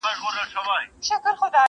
لري دوه تفسیرونه ستا د دزلفو ولونه ولونه.